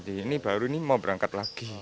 ini baru ini mau berangkat lagi